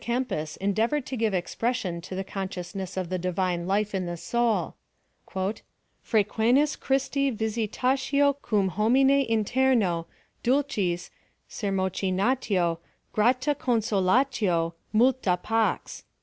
Kempis endeavored to give expression to the consciousness of the divine life in the soul —" Frequens Christi visitatio cum homine interno, dulcis, sermocinatio, grata con solatio, multa pax," &c.